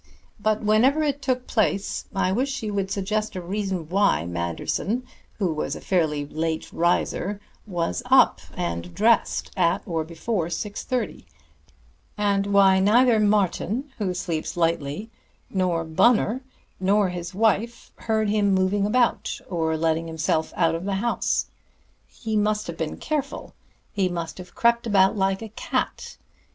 But whenever it took place, I wish you would suggest a reason why Manderson, who was a fairly late riser, was up and dressed at or before six thirty; and why neither Martin, who sleeps lightly, nor Bunner, nor his wife heard him moving about, or letting himself out of the house. He must have been careful. He must have crept about like a cat....